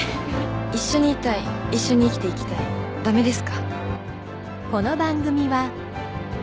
一緒にいたい一緒に生きていきたいダメですか？